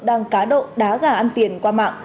đang cá độ đá gà ăn tiền qua mạng